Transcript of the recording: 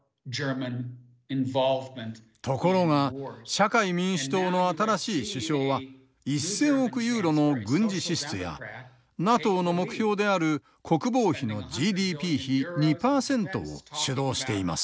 ところが社会民主党の新しい首相は１，０００億ユーロの軍事支出やＮＡＴＯの目標である国防費のＧＤＰ比２％を主導しています。